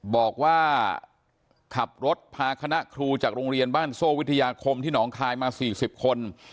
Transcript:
บอกว่าขับรถพาคณะครูจากโรงเรียนบ้านโซ่วิทยาคมที่หนองคายมา๔๐คน